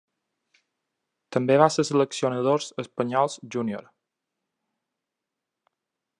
També va ser seleccionadors espanyol júnior.